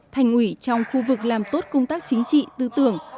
thành ủy trong khu vực làm tốt công tác chính trị tư tưởng